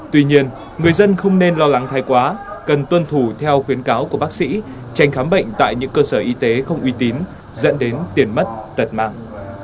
tuy nhiên người dân không nên lo lắng thay quá cần tuân thủ theo khuyến cáo của bác sĩ tranh khám bệnh tại những cơ sở y tế không uy tín dẫn đến tiền mất tật mạng